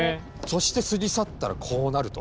そして過ぎ去ったらこうなると。